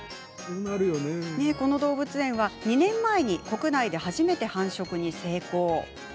この動物園は２年前、国内で初めて繁殖に成功。